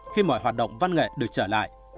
khi mọi hoạt động văn nghệ được trở lại